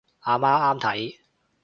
阿媽啱睇